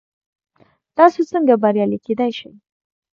تاسو څنګه بریالي کیدی شئ؟